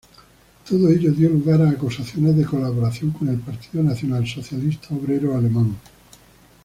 Todo ello dio lugar a acusaciones de colaboración con el Partido Nacionalsocialista Obrero Alemán.